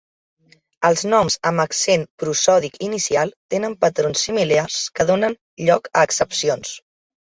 Els noms amb accent prosòdic inicial tenen patrons similars que donen lloc a excepcions.